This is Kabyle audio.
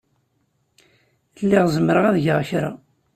Lliɣ zemreɣ ad geɣ kra.